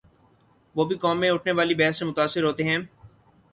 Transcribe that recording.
وہ بھی قوم میں اٹھنے والی بحث سے متاثر ہوتے ہیں۔